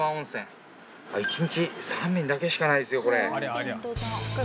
一日３便だけしかないですよこれ。